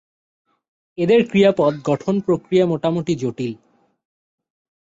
এদের ক্রিয়াপদ গঠন প্রক্রিয়া মোটামুটি জটিল।